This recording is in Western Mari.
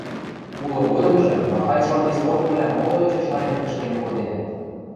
Улы годымжы махань-шон листовкывлӓм моло эче шанен кӹшкен коденӓ.